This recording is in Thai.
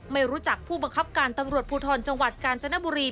ไม่รู้จักผู้บังคับการตำรวจภูทรจังหวัดกาญจนบุรี